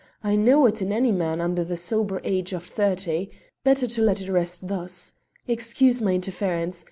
I know it in any man under the sober age of thirty. Better to let it rest thus. Excuse my interference.